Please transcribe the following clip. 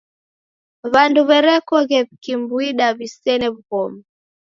W'andu w'erekoghe w'ikimwida w'isene w'ughoma.